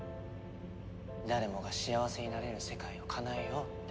誰もが幸せになれる世界をかなえようって。